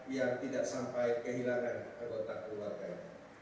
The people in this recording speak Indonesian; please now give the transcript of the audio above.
yang tidak sampai kehilangan anggota keluarganya